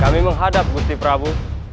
kami menghadap gusti prabu